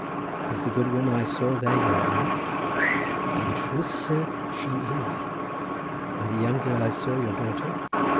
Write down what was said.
"Is the good woman I saw there your wife?" "In truth, sir, she is." "And the young girl I saw your daughter?"